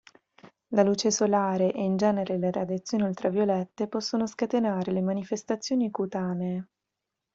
La luce solare, e in genere le radiazioni ultraviolette possono scatenare le manifestazioni cutanee.